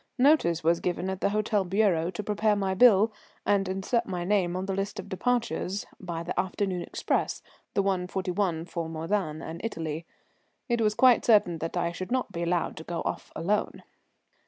Notice was given at the hotel bureau to prepare my bill, and insert my name on the list of departures by the afternoon express, the 1.41 P.M. for Modane and Italy. It was quite certain that I should not be allowed to go off alone.